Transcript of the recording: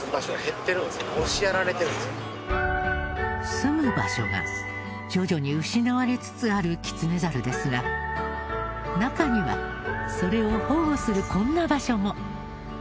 住む場所が徐々に失われつつあるキツネザルですが中にはそれを保護するこんな場所も。